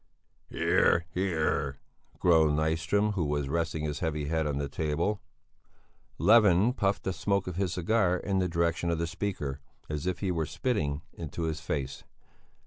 "Hear! hear!" groaned Nyström who was resting his heavy head on the table. Levin puffed the smoke of his cigar in the direction of the speaker, as if he were spitting in his face.